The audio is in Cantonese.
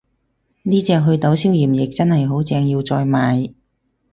呢隻袪痘消炎液真係好正，要再買